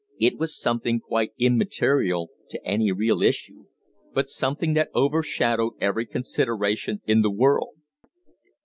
It was something quite immaterial to any real issue, but something that overshadowed every consideration in the world.